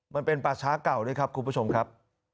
มันเป็นป่าช้าเก่าด้วยครับคุณผู้ชมครับ